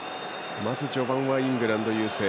まず序盤はイングランド優勢。